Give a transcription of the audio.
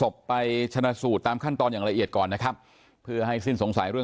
ตอนนี้ดูสายไฟที่เชื่อมไหมนะครับ